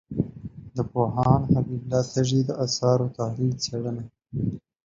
د پوهاند حبیب الله تږي د آثارو تحلیلي څېړنه